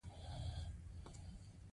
د دښمن په لښکر کې ماته ګډه شوه.